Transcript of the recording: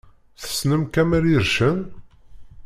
Tessnem Kamel Ircen?